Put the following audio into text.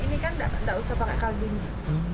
ini kan enggak usah pakai kalginya